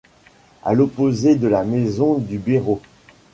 à l’opposé de la maison du biró.